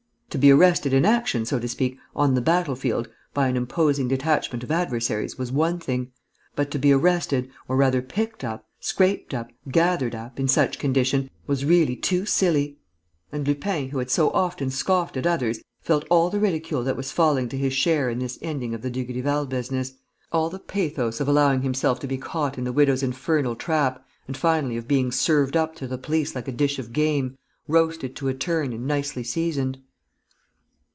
To be arrested in action, so to speak, on the battlefield, by an imposing detachment of adversaries, was one thing: but to be arrested, or rather picked up, scraped up, gathered up, in such condition, was really too silly. And Lupin, who had so often scoffed at others, felt all the ridicule that was falling to his share in this ending of the Dugrival business, all the bathos of allowing himself to be caught in the widow's infernal trap and finally of being "served up" to the police like a dish of game, roasted to a turn and nicely seasoned.